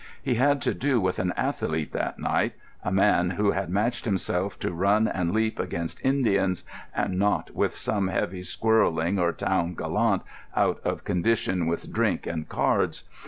He had to do with an athlete that night, a man who had matched himself to run and leap against Indians, and not with some heavy squireling or town gallant out of condition with drink and cards.